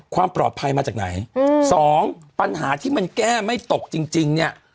ความปลอดภัยมาจากไหนสองปัญหาที่มันแก้ไม่ตกจริงเนี่ย